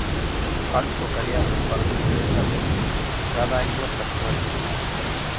Hall tocaría a partir de esa vez, cada año hasta su muerte.